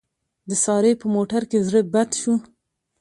د سارې په موټر کې زړه بد شو.